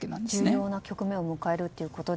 重要な局面を迎えると。